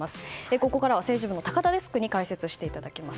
ここからは政治部の高田デスクに解説していただきます。